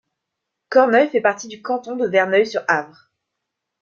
Corneuil fait partie du canton de Verneuil-sur-Avre.